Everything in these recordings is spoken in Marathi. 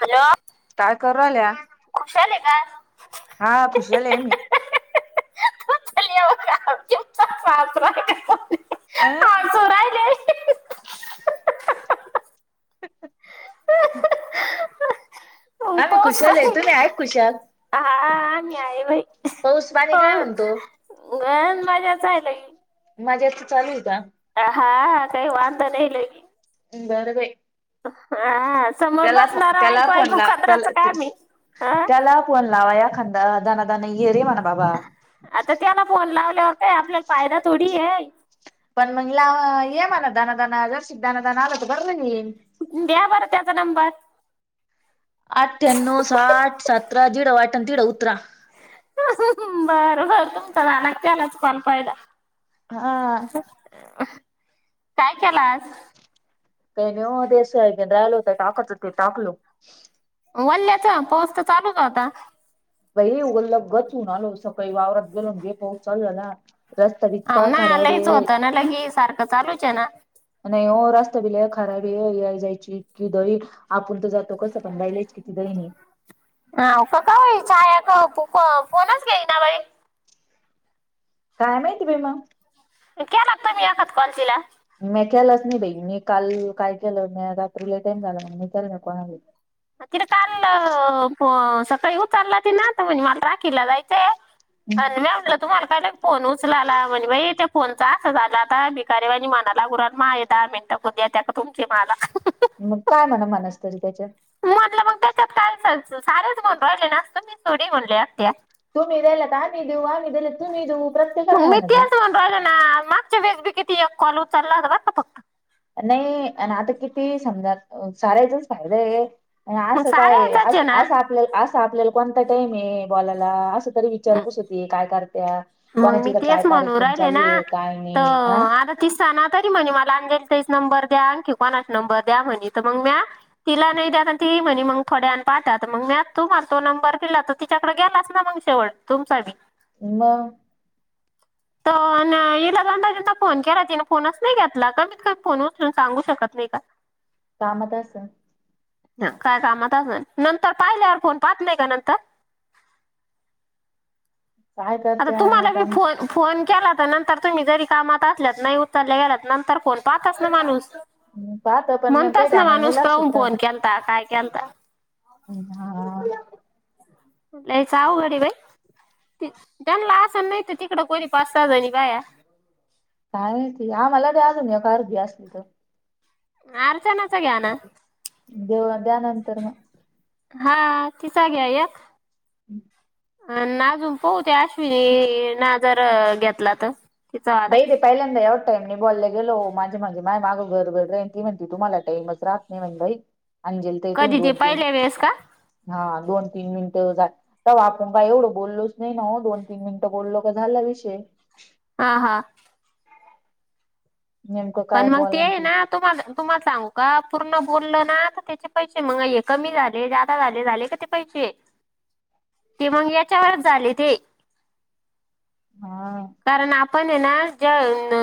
हॅलो. काय करू राहिल्या खुशल आहे का? हा खुशल आहे मी. [unintelligible] अ हसू राहिले हम्. [inaudible] तुम्ही आहेत खुशाल ह मी आहे बाई पाऊस पाणी हो काय म्हणतो खरं मजाच आहे लई. माझ्या [unintelligible] हाा काही वाांंद नाही लग बर बाई हा. समोर त्याला प बसणार त्याला ऐकू फोन ऐकू ला कचराचं त्याला काम आहे हा त्याला फोन लावा या खा [unintelligible] आता त्याला फोन लावल्यावर आपल्याला फायदा थोडी आहे. पण म्हणला ये मना दानदान जस्तिक दानदान आलत बर द्या बरं त्याचा नंबर. आट्यानऊ साठ सतरा झिरो आठ तीडओ उत्तरा. बरं बर तुमचागते आलाच पाल फायदा हा. काय केलास? काही नाहीव देशब राहिल होत टाकात ते टाकलो. वल्ल्याचा पाऊस तर चालूच होता. भई गल्लब गचून आलो सकाळी वावरात गेलोन जे पाऊस चालू झाला. रस्ता बी ह इतका ना खराब आलाहीच आहे होतं ना लगी सारखं चालूच आहे ना. नाही हो रस्ता बि लई खराब आहे. याय जायची की दरी आपण तो जातो कसं पण बाई लेज किती दैनी? हो फो फोनच गेई ना बाई. काय माहिती बाई मग. केला का तुमी आता कॉल तिला? मी केलाच नाही बाई मी काल काय केलं म्या रात्री लय टाईम झालं म्हणून मी केलं नाही कोणा तिन काल फो सकाळी उचलला तिन तर म्हने मला राखीला जायचंय. अन म्या म्हणल तुमाला फोन उचलाला म्हणे बाई त्या फोनचा असं झाला आता भिकारीबानी मनाला गुरात मा यता [unintelligible] तुमची माला मग काय म्हणा मानस तरी त्याच्यात. म्हटलं मग त्याच्यात काय लत सारेचण राहिले नसतो मी सडी म्हणले अत्या. तुम्ही दिले तर आम्ही देऊ आम्ही दिले तर तुम्ही देऊ मग प्रत्येकाला हाय मी म्हण ती तेच म्हणून राहिले ना मागच्या एक कॉल उचलला होता बरं का फक्त. नाही अन आता किती ही समजा साऱ्याचाच फायदा आहे. आणि मग असं सारे काय यायचाच आहे असं ना असं आपल्या असं आपल्याला कोणता टाईम आहे बॉलायला असं तरी म- विचारपूस होती काय करत्या? मग कोणाची मी इथं काय तेच म्हणून कार्यक्रम राहिले चालू ना आहे काय तर नाही हा आता तिसता ना तरी म्हणे मला अंज नंबर द्या आणखी कोणाचा नंबर द्या म्हणे तर मग म्या तिला नाही द्या तर तीही म्हणे मग थोड पाठत मग म्या तुम्हाला तो नंबर दिला तर तिच्याकडे गेलाच ना मग शेवट तुमचाबी. मंग. [inaudible] तं न हिला दोनदा तीनदा फोन केला तिने फोनच नाही घेतला क मी फोनून सांगू शकत नाही का [inaudible] कामात असन. ह काय कामात असन नंतर पाहिल्यावर फोण पाहत नाही का नंतर? [inaudible] काय आता तुम्हाला करत्यात बी आमची फोन फोन केला तर नंतर तुम्ही जरी कामात असल्यात नाही उतरल्या गेलात नंतर फोन पाहताच ना माणूस. पाहत पण मग काही म्हणताच ना टायमाला नाही माणूस पाहून लक्षात फोन केलता काय केलता? हम्म हा. आऊगडी बाई. त्यांला आं नाहीत तिकडं कोणी पाच सहा जणी पाया. काय माहिती आमाला द्या अजून या का अर्दी असली तर? अर्चनाचा घ्या ना. देव द्यानंतर मग. हा ति जाग्या या हम्म. अ नाजून पहते अश्विनी नाजर घेतला तर? तिचा वाला बैरे पहिल्यांदा यवट टाईम ला गेलो माझे माणजे माय मागं घरबर राेन ती म्हणती तुम्हाला टामच राहत नाही म्हण बाई अंजली ताई तुम्ही कधी ते दोन-तीन पहिल्या वेळेस का हा दोन तीन मिनिटव आपण का एवढं बोललोच नाही ना दोन तीन मिनिटं बोललो का झाला विषय. आहा. नेमकं पण काय मग ते बोलान आहे ना तुम्हा तुम्हाला सांगू का पूर्ण बोललं ना तर त्याचे पैसे मग हे कमी झाले, जादा झाले झाले क ते पैसे ते मंग याच्यावरच झाले ते. हा कारण आपण आहे ना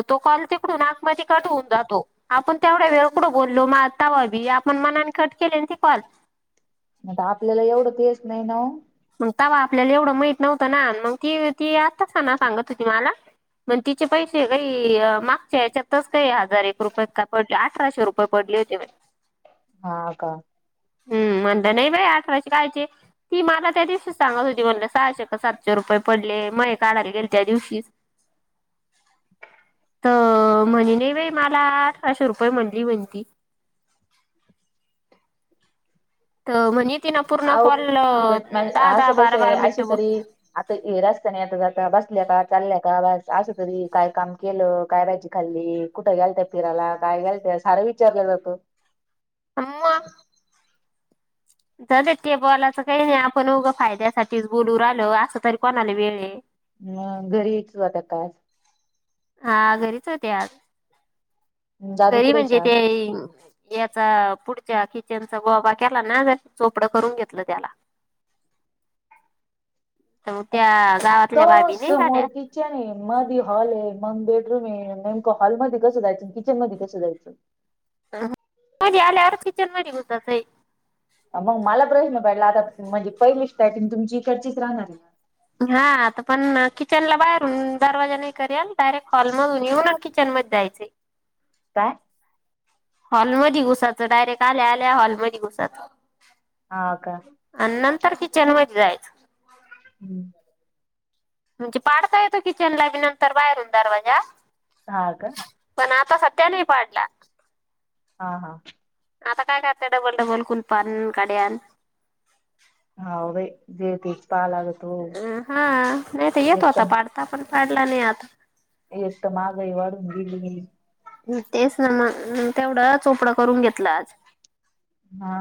तो कॉल तिकडून आत मध्ये कट होऊन जातो आपण तेवढ्या वेळ कुठ बोललो मग आता तवा बी आपण मनाने खट केले न ते कॉल. आता आपल्याला एवढ तर येस नाही ना ओ. मग तवा आपल्याला एवढं माहित नव्हतं ना मग ती ती आत्ताच ना सांग होती मला. मग तिचे पैसे काही मागच्या याच्यातच काही हजार एक रुपये का पड अठराशे रुपये पड तेव हा का हम् म्हणता नाही बाई अठराश काायचे ती मलाा त्या दिवशी सांगत होती म्हणलं सहाशे का सातशे रुपये पडले मग काढायला गेले त्या दिवशीस [unintelligible] तर म्हणे नाही बाई मला अशीे रुपये म्हणली म्हण तती [unintelligible] तर म्हणजे अह दहा असं कस बारा आहे बारा अशी मिनिटं ब तरी आता हे रस्ता नाही आता जात बसल्या का चालल्या का बस असं तरी काय काम केलं काय पाहिजी खाल्ली कुठं गल त्या फिरायला काय घल सारं विचारलं जातं आमा ज ते बॉलाचं काही नाही आपण उगं फायद्यासाठीच बोलू आलो असं तरी कोणाला वेळ अ घरी यायचता काज हा घरीच होते्या दादू घरी कुठे म्हणजे शाळेत ते याचा पुढ किचनचा गबा केला ना जर चोपडं करून घेतलं त्याला [unintelligible] मग त्या त गावातल्या बाबी नाही का समोर त्या किचन आहे मध हॉल आहे मग बेडरूम आहे नेमकं हॉलमध्येध्ये कसं जायचं किचन मध्ये कसं जायचं आले आर किचन म गतय मग मला प्रश्न पडला आता म्हणजे पहिलीच्टायट तुमची इकडचीच राहणार आहे ना हा आता पण किचनला बाहेरून दरवाजा नाही कर याल डायरेक्ट हॉलमधून येऊन किचन जायचे काय हॉलमध्ये घुसायचं डायरेक्ट आल्या आल्या हॉलमध्ये घुसायचं हा का आणि नंतर ति जनम जायच हम्म म्हणजे पाडता येतो किचन ला बी नंतर बाहेरून दरवाजा ह आता सत्या नाही पाडला हा हा आता काय करत डबल डबल कुलपण काड्या हा जे तच अम हा नाही तर येतो आता एकदम पाडता पण पाडला नाही आता ह ग गली तेच ना मग म तेवढं चोपडं करून घेतलं आज हा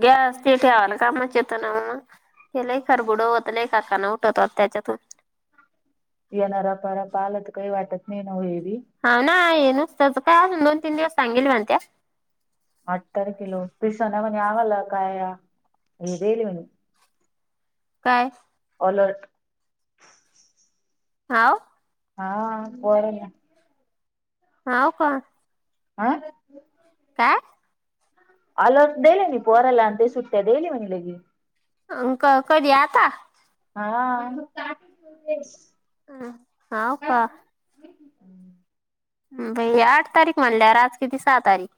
ग्या अस ते तेे आवाला कामचेेतो नाव हे लेख बुडवत लेखाखाना उठत हो त्याच्यातून येणार पार प आला तर काही वाटत नाही न ये हा ना ये नसतच काय अजून दोन तीन दिवस सांगेल म्हणत्या अठतर किलो पिसाना म्हणे आवाला काय हे देली म्हणे काय अलट हा हा को ना हाव का आा काय आलो दले म परला अंत सु्ट्याय देईलली मणी लग अं क कधी आता हा कास हम हाव का बै आठ तारीख म्हणल्या आज कितीस सहा तारीख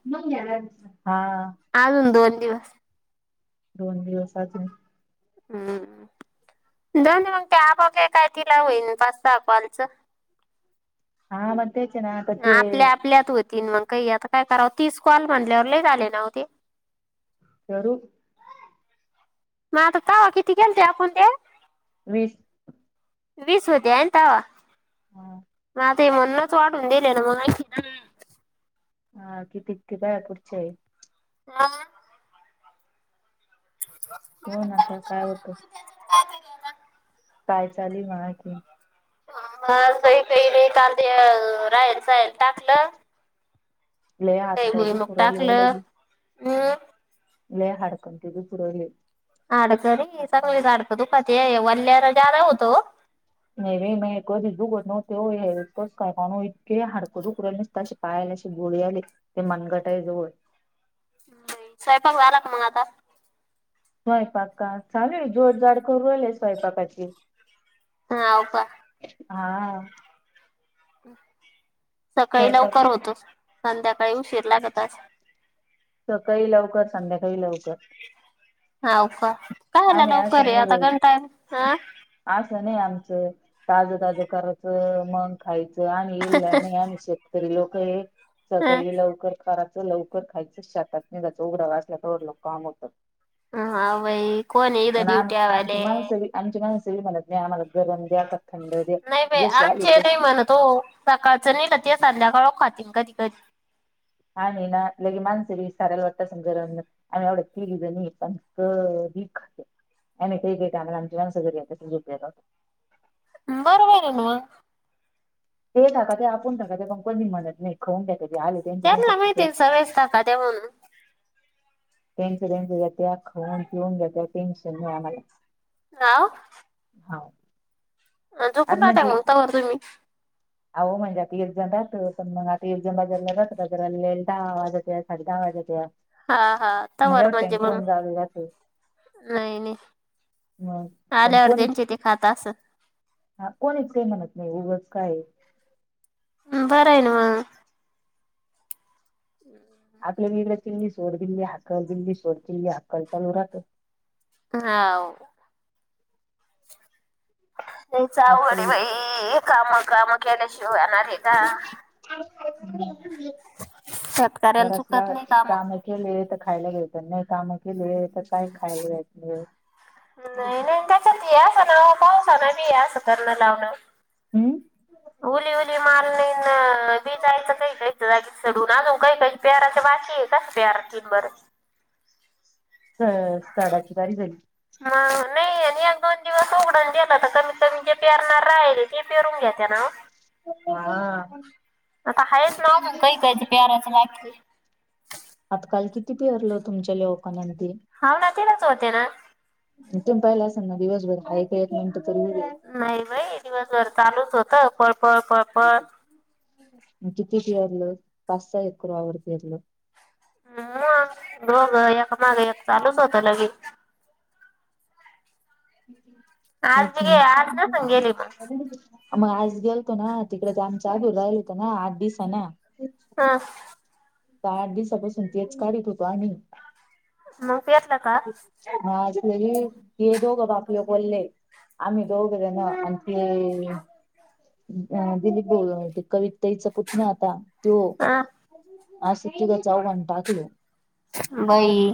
हा अजून दोन दिवस दोन दिवसात हम्म दोन मग त्या आपग काय तिला होईन पाच स अलचं हा म आपल्या आपल्यात होत तन मग काही आता काय करावं तीस कॉल म्हणल्यावर ल आले ना हो ते यारू म तवा किती केलते आपण ते वीस वीस होत्यान तवा हा आ ते म्हणूनच वाटून दिले ना मग हा किती कती बया पचे हाय मा कोण आता काय होत काचा केवचा काय चाल म आणखीन ई काही नाही का ते राहील जायल टाकलं लय हात काही पाय बई मग दुखू राहिले ओ टाकलं लगी हम् लय हडकन ते दुखु रायले अडचरी चगलीचडकं दुपात वल्ल्यारा जादा होतो नय रे मये कधीच दुकत नवते ओ हे कस काय कोणो इतके हडक दुकु रायले नुसते कशे पाय कशे गोळे यालेत ते मनगटा जवळ बाई सयपाक झाला का मग आता स्वयपाका चालूय जोड जाड करू आले स्वयंपाकाची हाव का हा सकाळी स्वयंपाक लवकर होतो संध्याकाळी उशीर लागत असल सकाळी लवकर संध्याकाळीही लवकर हाव का कायला आम्ही असं लवकराय नाही बाई आताण टयम हा असं नाही आमचं ताजं ताजं करायचं मग खायचं आणि इल नाही आम्ही शेतकरी लोक हे हा सकाळी लवकर कायचं लवकर खायचं शेतात निगाच उघडावा असल्या तवरल काम होतं ह हा भाई कोणे हित ड्युटी आवालेे तुमी मला न्या ना गरम द्या का थंड द्या नाही बाय जशी आली आमचे हे तशी नाय म्हणत ओ सकाळचं नय का ते संध्याकाळ पाती ना कधी कधी आणि ना लगे माणसं ब सारायला गरम आणि आम्ही तिगी जणी पण क ते आमला आमची माणस जरी येतात बरोबरे ना म ते टाका ते आपण टाका ते पण कोणी मणत नाइ खऊन त्यांना माहितीये सगळेच टाकते म्हणून तेंच तेंच येत्या खाऊन पिऊन घेत्या टेन्शन नाही आम्हाला हा हा अ झोपून आज राहता म्हणजे का तोवर तुम्ही अहो म्हणजे आता इर्जा जात पण मग आता इर्जण बाजारला जात बाजारले दहा वाज साडे दहा वाज हा हा मजे तवर वाटते म्हणजे मग कोण जावेत असं नाही नाही हम पण आल्यावर कोणी त्यांचे ते खात असं हा कोणीच ते म्हणत नाही उगच काय बरंय न म हम् आपलं इडं किल्ली सोड दिल्ली हाकल दिल्ली सोडचिल्ली हाक्कल चालू राहतं हाव नाहीच आवड आहे आजकाल बाई कामं कामं केल्या शिव येणार आहे का ह शेतकऱ्याला घरसला चुकत नाही काम कामं केले तर खायला येइल नाही कामं केले तर काय खायला घ्यायचं नाही नाही त्याच्यात यास ना पाऊसा ना मी यास कर्ण लावणं हम्म उली उली माल नाही मी जायचं काही काहीच जागीच सडून आण काही काही पेराचं बाकी आहे का पेरती बरं अ साडाची वारी झाली मग नाही आणि एक दोन दिवस उघडून गेलं तर कमीत कमी जे पेरणार राहिले ते पेरून घेता ना हा आता हायच ना अजून काय काय प्याराचं बाकी आता काल किती पेरलं तुमच्या लोकांनी ते हा ना तिलाच होते ना तुम पाहिला असल ना दिवसभर मिनिट तरी उभे. नाही बाई दिवसभर चालूच होतं पळपळ पळपळ किती पेरलं पाच सहा एकर वावर पेरलं [unintelligible] आज तेच बी आहे गे ना आज नसून गेली मग मग आज गेलतो ना तिकडे तर आमच्या आजोळ राहिलं होतं ना आठ दिवसांनं हं, तर आठ दिवसापासून तेच काढित होतो आम्ही मग पेरलं का हा स् नाही हे दोघं बाप लेकं बोलले आम्ही दोघं जणं ना आणखी दिलीप बोललो कवि तच पुतन्या आता तो हं, आ तुला जावण टाकलो बाई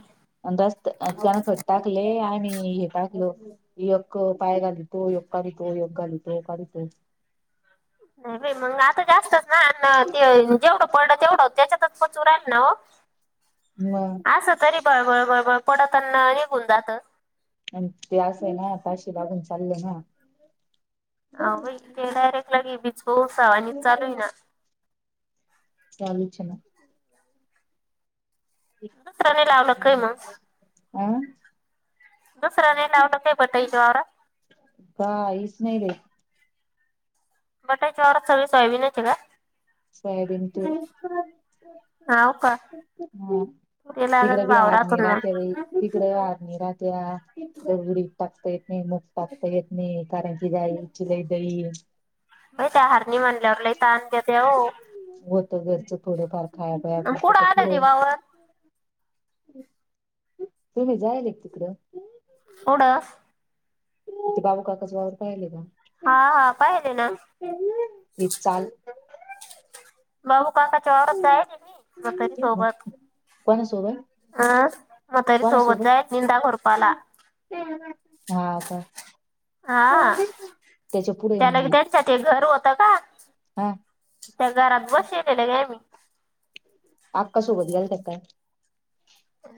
अंदाज त्याना खट्टाकले आणि हे टाकलं एक पाय घालितो एका काडितो एक घालितो काढितो नाही मंग आता जास्तच ना ते जेवढं पडलं तेवढं त्याच्या मी चुराल मग नवं असं तरी बरं बरं बरं बर पडताना निघून जातं आणि ते असय ना ताशी लागून चालल ना अव इथे डायरेक्ट लागे भिज पावसावाणि चालूच आहे ना चालूछ ना दुसर्याने लावलं काय मग अं काहीच नाही रे [unintelligible] बटाची वर स सय विनाते का सोयाबीन तेल ह हाव का ते लागल तिकडे बी हारणी वावरातून मग. राहते बा तिकडे हारणी राह त्या उडीद टाकता येत नाही मुग टाकता येत नाही कारण कि गाईची लय बाई त्या हरणी म्हणल्यावर लई [unintelligible] होतं घरचं थोडंफार खाया प्या अन पुरतं कुठं आलं ते तर वावर तुम्ही जायले क तिकडं थोड. [unintelligible] हा हा पाहिले ना. हे चाल मग [unintelligible] कोणासोबत कोणासोबत [unintelligible] हा आता. हा त्याच्या पुढे मग त्याला हे त्यांच्या घर होतं का? हा [unintelligible] आक्कासोबत गेलत्या काय?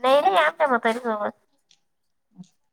नाहीय नाही आमच्या म्हातारी सोबत. [unintelligible]